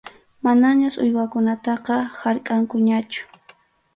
Manañas uywakunataqa harkʼankuñachu.